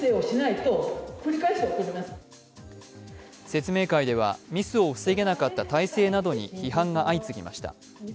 説明会では、ミスを防げなかった態勢などに批判が相次ぎました。